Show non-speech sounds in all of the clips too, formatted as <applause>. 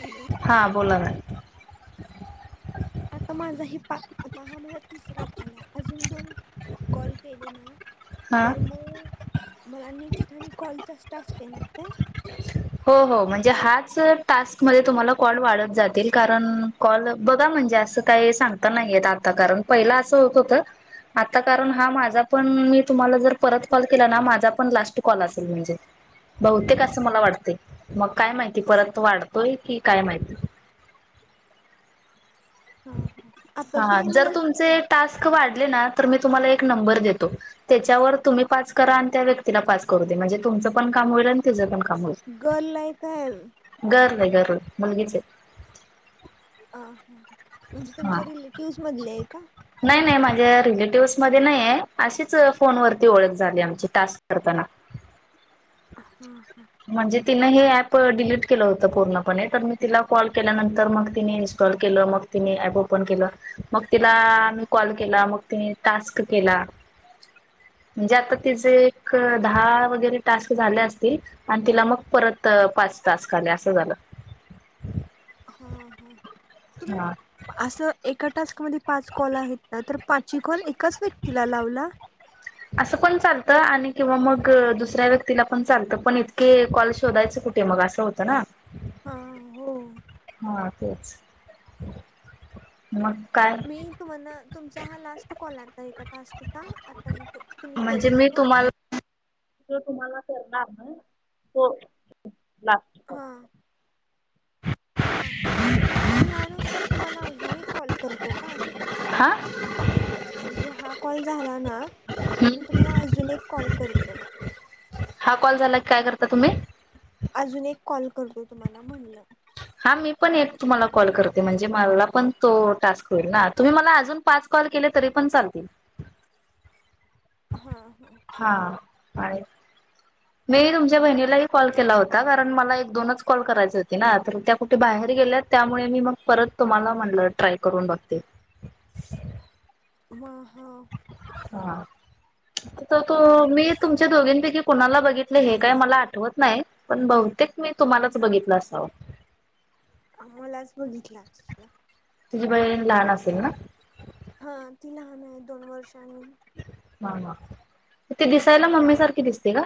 Hello. हा बोला ना. आता माझा हे पांचवा दहा महिन्यात आता हा माझा तिसरा कॉल आहे अजून दोन कॉल केले ना हा तर मी मला आनी नेक्स्ट आणि कॉलचाच टास्क येणार काय. हो हो म्हणजे हाच टास्कमध्ये तुम्हाला कॉल वाढत जातील कारण कॉल? बघा म्हणजे असं काही सांगता नाही येत आता कारण पहिला असं होत होत. आता कारण हा माझा. पण मी तुम्हाला जर परत कॉल केला ना माझा पण लास्ट कॉल असेल म्हणजे. बहुतेक असं मला वाटतय मग काय माहिती परत वाढतोय की काय माहिती. हा हा आता हा तुम्ही जर मला तुमचे केल टास्क वाढले ना तर मी तुम्हाला एक नंबर देतो. त्याच्यावर तुम्ही पाच करा आणि त्या व्यक्तीला पाच करू दे म्हणजे तुमचं पण काम होईल आणि तिचं पण काम होईल. गर्ल आह काय? गर्ल आहे गर्ल मुलगीच आहे ‌. अं हा म्हणजे तुमच्या रिलेटिव्हज मधले ये का? नाय नाय माझ्या रिलेटिव्हज मध्ये नाय ये अशीच फोनवरती ओळख झाली आमची टास्क करताना. हा हा म्हणजे तिनं हे ऍप डिलीट केलं होतं पूर्णपणे तर मी तिला कॉल केल्यानंतर मग तिनी इन्स्टॉल केलं मग तिनी ऍप ओपन केलं, मग तिला मी कॉल केला मग तिने टास्क केला. म्हणजे आता तिजे एक दहा वगैरे टास्क झाले असतील. आणि तिला मग परत पाच टास्क आले असं झालं. हा हां तुम्ही हा असं एका टास्कमध्ये पाच कॉल आहेत ना तर पाची कॉल एकाच व्यक्तीला लावला. असं पण चालतं आणि किंवा मग दुसऱ्या व्यक्तीला पण चालतं पण इतके कॉल शोधायचं कुठ ठे मग असं होतं ना हा हो हा तेच मग काय? मी तुम्हानां तुमचा हा लास्ट कॉल आता एका टास्कचा आता मी तो तुम्ही केलता तो तो तुम्हाला करणार न हो हा हां हां मी यानंतर तुम्हाला अजून एक कॉल करतो का हा म्हणजे हा कॉल झाला ना, तर मी तुम्हाला अजून एक कॉल करतो. हा कॉल झाला की, काय करता तुम्ही? अजून एक कॉल करतो तुम्हाला म्हणलं. हा मी पण एक तुम्हाला कॉल करते. म्हणजे मला पण तो टास्क होईल ना तुम्ही मला अजून पाच कॉल केले तरी पण चालतील. हा हा हा आणि <inaudible> मी तुमच्या बहिणीलाही कॉल केला होता. कारण मला एक दोनच कॉल करायचे होते ना, तर त्या कुठे बाहेर गेल्यात त्यामुळे मी मग परत तुम्हाला म्हणलं ट्राय करून बघते. म हा हा त तो मी तुमच्या दोघींपैकी कुणाला बघितलय हे काय मला आठवत नाय. पण बहुतेक मी तुम्हालाच बघितलं असावं. अ मलाच बघितला असणा तुझी बहीण लहान असेल ना हा ती लहान हाय दोन वर्षांनी ह ह म ती दिसायला मम्मी सारखी दिसते का?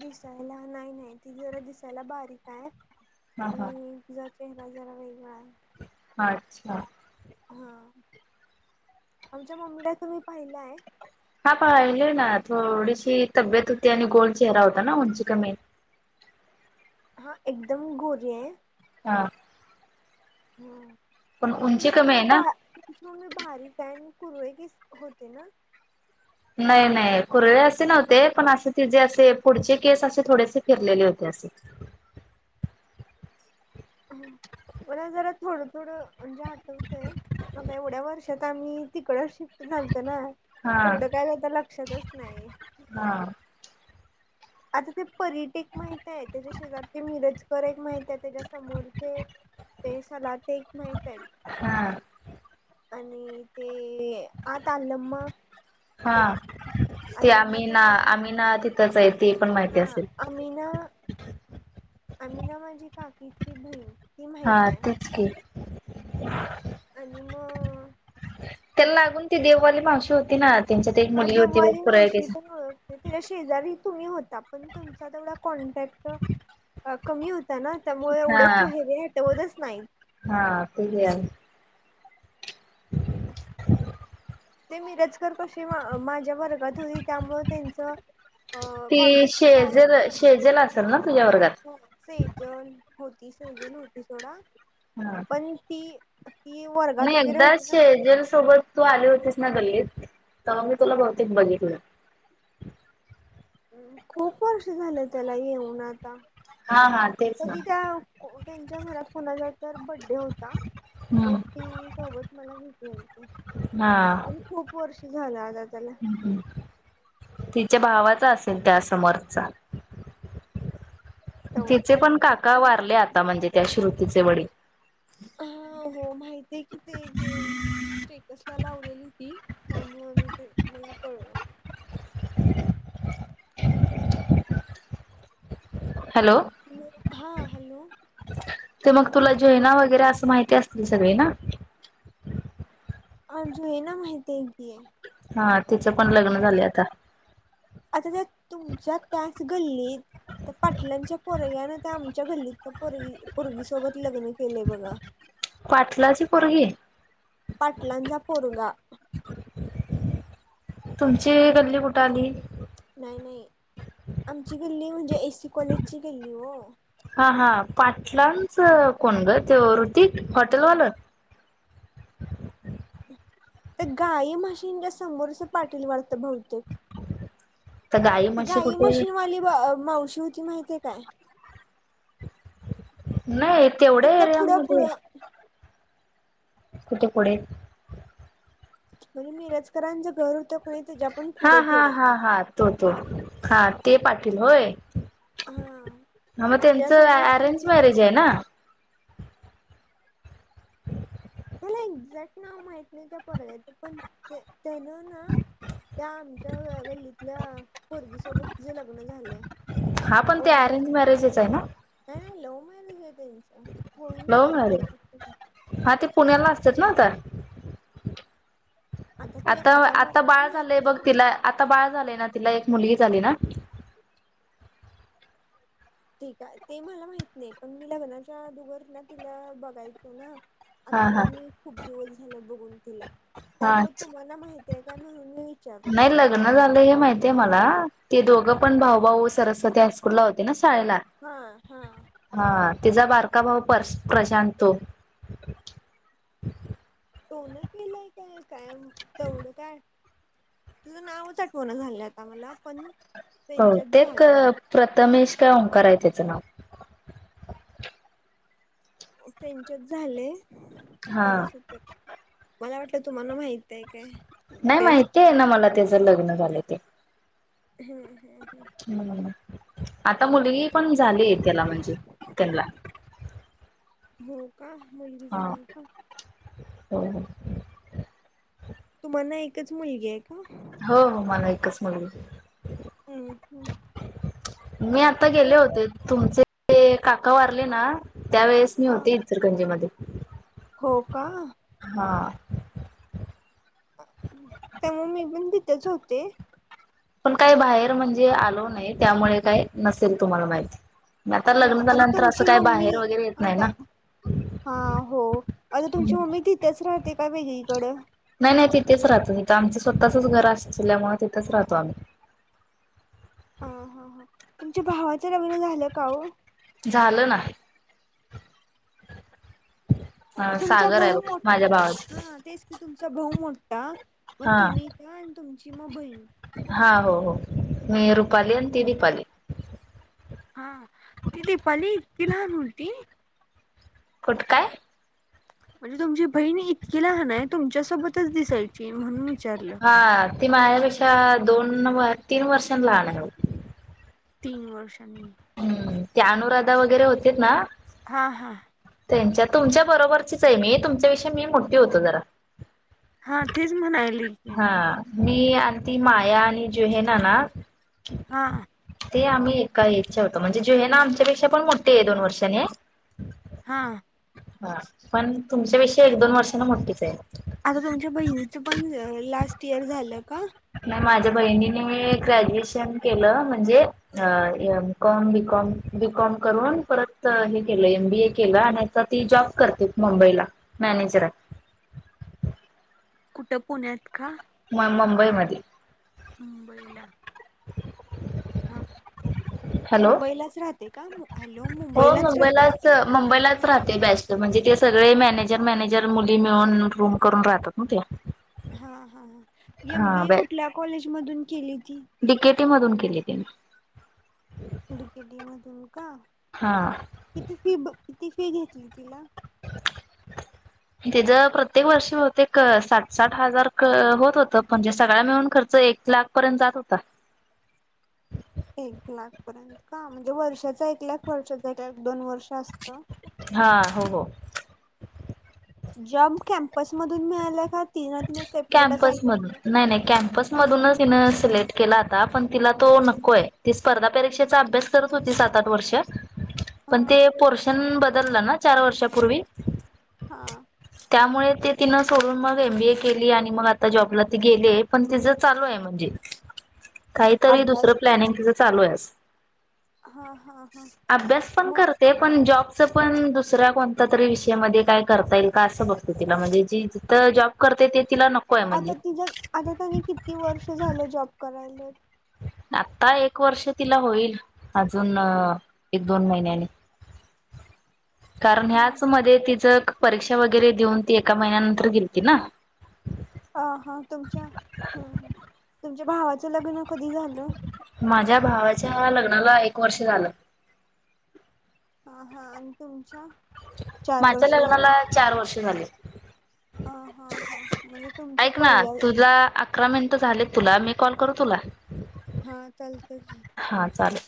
दिसायला नाय नाय ती जरा दिसायला बारीक आय. हा हा तिझा चेहरा जरा वेगळा आय. अच्छा हा, आमच्या मम्मीला तुम्ही पाहिलाय. हा पाहिलय ना थोडीशी तब्येत होती. आणि गोल चेहरा होता ना उंची कमी हा एकदम गोरीये. हा हम्म, पण उंची तुमची कमी मम्मी आहे ना बा''--'' तुमची मम्मी बारीक आहे कुरवे कीस होते ना. नाही नाही कुरळे असे नव्हते पण असं ति जे असे पुढचे केस असे थोडेसे फिरलेले होते असे. हम, मला जरा थोडं थोडं म्हणजे हठवतंय. आता एवढ्या वर्षात आम्ही तिकड शिफ्ट झालतो ना. हा तेवढं काय करता लक्षातच नाही. हा, आता ते परीट एक माहित आहे. त्याच्या शेजारचे मिरजकर एक माहित आहे. त्याच्या समोरचे. ते सलाते एक माहत आहेत. हा, आणि ते आतालममा. त हा ते अल्म आम्ही ना त्यांनी एक आम्ही माहिती. ना तिथंच आहे ते पण मा''--'' हा आमिना आमिना माझी काकीची भईन. हा तेच की, आणि मग. त्याला लागून ती देववाली मावशी होती. ना त्यांच्यात एक मुलगी होती बग कुरळ्या केसां. ते तच्या शेजारी तुम्ही होता पण तुमचा तेवढा कॉन्टॅक्ट. अ कमी होता ना त्यामुळे हा एवढंच चेहरे हटवतच नाही. हा <unintelligible> ते ग ते मिरजकर कशे मा माझ्या वर्गात होती त्यामुळ त्यांचं. अ ती कॉन्टॅक्ट मध्ये आहेत शेजल शेजल असेल ना तुझ्या वर्गात ग. सेजल होती सेजल नव्हती सोडा. ''हां'' पण ती. ती वर्गात नाही वगैरे एकदा होती ना शेजेल सोबत तू आली होतीस ना गल्लीत तवा मी तुला भवतेक बघितलय. हंम, खूप वर्ष झालं त्याला येऊन आता. हा हा तेच तू ना तिथं को त्यांच्या घरात कोनाचा तर बड्डे होता तर. हम्म ती सोबत मला घेतलेली होती. हा, हो खूप वर्ष झालं आता त्याला. तिच्या भावाचा असेल त्या समोरचा. तेवढं तिचे काय पण लक्षात काका नाही. वारले आता म्हणजे त्या श्रुतीचे वडील. हा हो माहितीय कि ते ते स्टे''--'' टसला लावलेली ती त्यामुळ मी ते मला कळलं. हॅलो, हॅलो हां हॅलो, ते मग तुला जेना वगैरे असं माहिती असतील सगळे ना. हो जेना माहितेय की, हा तिचं पण लग्न झालय आता. अच्छाछा तुमच्या त्याच गल्लीत. त्या पाटलांच्या पोरग्यानं त्या आमच्या गल्लीत पोरगी पोरगीसोबत लग्न केलंय बघा. पाटलाची पोरगी. पाटलांचा पोरगा. तुमची गल्ली कुठं आली. नाही नाही आमची गल्ली म्हणजे एसी कॉलेजची गल्ली ओ हा हा पाटलांच कोण ग ते ऋतिक हॉटेलवालं ते गाई म्हशींच्या समोरच पाटील वाढत बहुतेक तर ती म्हशी गाई कुठे म्हशीनवाली माव मावशी होती माहितीे काय नाही तेवढ्या तिकडं पुढं एरियामध्ये पुढं कुठे पुढे फिल्म मिरजकरांच घर होतं कनी त्याच्या पण हा पुढं हा थोडं हा हा तो तो हा ते पाटील होय हा मग त्यांच त्याच्यासमोर ती अरेंज मॅरेज आहे ना मला एक्झॅक्ट नाव माहित नाही त्या पोरग्याचं पण त्याज ना त्या आमच्या गल्लीतल्या पोरगी सोबत तेज लग्न झालय हा पण ते अरेंज मॅरेजच आहे ना नाही नाही लव मॅरेज आहे त्यानच लव मॅरेज हा ते पुण्याला असतात ना आता ते आता आता मला बाळ माहित झालंय बघ नाही तिला आता बाळ झालंय ना तिला एक मुलगी झाली ना ठीक आहे ते मला माहित नाही पण मी लग्नाच्या आदुगर ना तिला बघायचो ना आता हा हा तर मी खूप दिवस झाल बघून तिला हा त्यामुळे तूम्हाला माहिती काय म्हणून मी विचारलो नाही लग्न झालं हे माहीत आहे मला ते दोघं पण भाऊ भाऊ सरस्वती हायस्कूल ला होते ना शाळेला हा हा हा तिचा बारका भाऊ पर प्रशांत तो टो <inaudible> न केलाय काय काय तेवढं काय तुझं नावच आठवणं झालं आता मला पण त्यांच्यात भवतेक झाले प्रथमेश काय ओंकार आहे त्याचं नाव त्यांच्याच झालय हा कोणाच्यात तर मला वाटलं तुम्हाला माहित आहे काय नाही तेच माहिती आहे ना मला त्याचं लग्न झालंय ते हम्म हम् हम् आता मुलगी पण झाली आहे त्याला म्हणजे त्यांना हो का मुलीगी हा झाली का हो तुम्हाला एकच मुलगी आहे का हो हो मला एकच मुलगी आहे हम्म हम्म मी आता किती गेले वय होते तुमचे काका वारले ना त्यावेेळेस मी हा होते इचरगंजीमध्ये हो का हा तेव्हा मी पण तिथेच होते पण काही बाहेर म्हणजे आलो नाही त्यामुळे काय नसेल तुम्हाला माहिती नाही तर अ, लग्न आता झाल्यानंतर असं तुमची काही मम्मी बाहेर वगैरे येत नाही ना आता हा हो आता हम्म. तुमची मम्मी तिथंच राहते का वेगळीकडं नाही नाही तिथेच राहतो तिथं आमचं स्वतःच घर अस असल्यामुळे तिथंच राहतो आम्ही ह हा हा तुमच्या भावाचं लग्न झालं का हो झालं ना हा तुमचा सागर आहे भाऊ बघ मोठा माझ्या भावाच हा तेच कि तुमचा भाऊ मोठा मग हा तुम्ही त्या आणि तुमची मग बहीण. हा हो हो मी रुपाली आणि ती रीपाली. हा ही दिपाली एवढी लहान होती. कुठ काय. म्हणजे तुमची बहीणी इतकी लहान आहे तुमच्यासोबतच दिसायची म्हणून. विचारलं हा ती माझ्यापेक्षा दोन तीन वर्षां लहान आहे. तीन वर्षांनी. हम्म ते अनुराधा वगैरे होते ना. हां हां. त्यांच्या तुमच्या बरोबरचीच आहे मी तुमच्याविषयी मी मोठी होतो जरा. हा तीच म्हणायली. की हा मी आणि ती माया आणि जुहे नाना हा. ते आम्ही एका याच्या होतो म्हणजे जुहे ना आमच्यापेक्षा पण मोठे आहे दोन वर्षांने. हा. हा पण तुमच्यापेक्षी एक दोन वर्ष ना मोठीच आहे. आता तुमच्या बहिणीचं पण लास्ट इयर झालं का. नाही माझ्या बहिणीने ग्रॅज्युएशन केलं म्हणजे. अ एम कॉम बॉम बीकॉम करून परत हे केलं एम बी ए केलं आणि. तर ती जॉब करते मुंबईला मॅनेजर. कुठं पुण्यात का? नाही मुंबईमध्ये. मुंबईला. हा हॅलो मुंबईलाच राहते का? हॅलो मुंबईलाच राहते का ती? मुंबईलाच राहते. बेस्ट म्हणजे ते सगळे मॅनेजर मॅनेजर मुली मिळून रूम करून राहतात ना ते. हा हा हा हा एम. बी. हा ए. कुठल्या कॉलेज मधून केली ती? बीकेटी मधून केली त्यानी. डीकटी मधून का हा किती फी किती फी घेतली तिला. तिचं प्रत्येक वर्षी होते एक साठ साठ हजार होत होत म्हणजे सगळा मिळून खर्च एक लाख. पर्यंत जात होत. एक लाख पर्यंत का म्हणजे वर्षाचा एक लाख वर्षाचा एक दोन वर्ष असतं. हा हो. जम्प कॅम्पस मधून मिळाला का तीन तिन सेपरेट असाय. कॅम्पस मधून नाही नाही कॅम्पस. <inaudible> मधून तिन सिलेक्ट केला होता पण तिला तो नकोय ती स्पर्धा परीक्षेचा अभ्यस. तरत होती सात आठ वर्ष. हा पण ते पोर्शन बदललं ना चार वर्षापूर्वी. हं. त्यामुळे ते तिनं सोडून मग एम. बी. ए. केल. केली आणि मग आता जॉबला ते गेले हे पण तिचं चालू आहे म्हणजे. काहीतरी अभ्यास दुसरं का प्लॅनिंग तिचं चालू आहेस. हा हा हा आभ्यास पण मग करते. पण जॉबचं पण दुसऱ्या कोणत्या तरी विषयामध्ये काय करता येईल का असं बघत तिला म्हणजे जी जिथं जॉब. करते ते तिला. आहे म्हणजे आता तिच्या आता केनी किती वर्ष झालं जॉब करायला. आत्ता एक वर्ष तिला होईल अजून एक दोन महिन्याने. <inaudible> कारण हा ह्याच मध्ये तिच परीक्षा वगैरे देऊन ती एका महिन्यानंतर गेलती ना. हां हां तुमच्या हम्म हम्म तुमच्या भावाचं लग्न कधी झालं? माझ्या भावाच्या लग्नाला एक वर्ष झालं. हां हां आणि तुमच्या? चार माझ्या वर्ष झाले लग्नाला चार वर्षे झाले. अं हां हां हां म्हणजे तुमचं पहिलं आहे. आत्ता अक अकरा मिनिटं झालेत तुला मी कॉल करू तुला? हां चालतं की. हां चालेल.